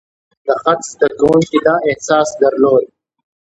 د خط زده کوونکي دا احساس درلود.